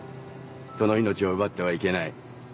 その命を奪ってはいけない。